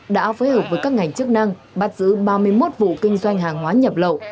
đã phối hợp với các ngành chức năng bắt giữ ba mươi một vụ kinh doanh hàng hóa nhập lậu